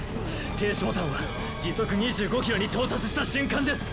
「停止ボタン」は時速２５ｋｍに到達した瞬間です。